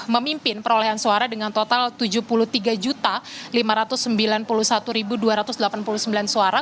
memimpin perolehan suara dengan total tujuh puluh tiga lima ratus sembilan puluh satu dua ratus delapan puluh sembilan suara